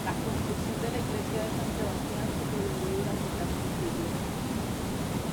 La construcción de la Iglesia de San Sebastián se prolongó durante casi un siglo.